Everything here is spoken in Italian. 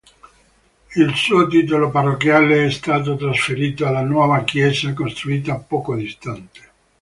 Il suo titolo parrocchiale è stato trasferito alla nuova chiesa, costruita poco distante.